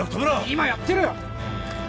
今やってるよ！